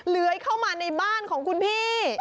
เลื้อยเข้ามาในบ้านของคุณพี่